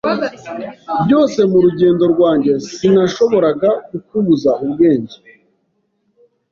Byose murugendo rwanjye sinashoboraga kukubuza ubwenge.